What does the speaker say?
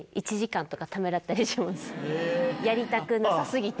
やりたくなさ過ぎて。